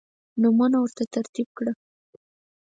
نمونه ورته ترتیب کړه.